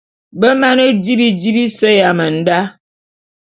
Be mane di bidi bise ya menda.